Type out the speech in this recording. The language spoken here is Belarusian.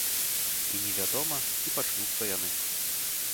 І не вядома, ці пачнуцца яны.